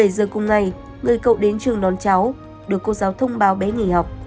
một mươi bảy h cùng ngày người cậu đến trường đón cháu được cô giáo thông báo bé nghỉ học